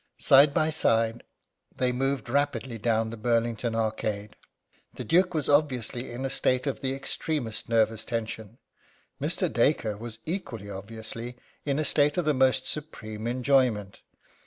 Side by side they moved rapidly down the Burlington Arcade. The Duke was obviously in a state of the extremest nervous tension. Mr. Dacre was equally obviously in a state of the most supreme enjoyment.